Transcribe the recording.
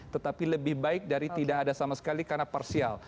tetapi lebih baik dari tidak ada sama sekali karena parsial